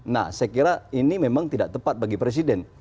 nah saya kira ini memang tidak tepat bagi presiden